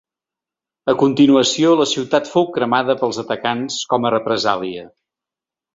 A continuació, la ciutat fou cremada pels atacants com a represàlia.